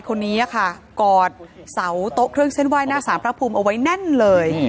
คนนี้ค่ะกอดเสาโต๊ะเครื่องเส้นไหว้หน้าสารพระภูมิเอาไว้แน่นเลย